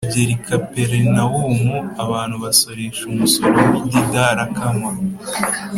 Bagera i Kaperinawumu, abantu basoresha umusoro w’ididarakama